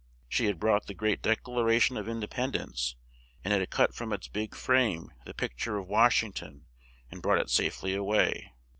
She had brought the great Dec la ra tion of In de pend ence, and had cut from its big frame the pic ture of Wash ing ton and brought it safe ly a way.